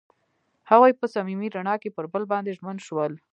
هغوی په صمیمي رڼا کې پر بل باندې ژمن شول.